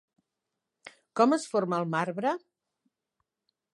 Com es forma el marbre?